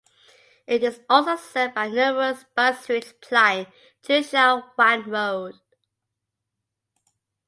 It is also served by numerous bus routes plying Cheung Sha Wan Road.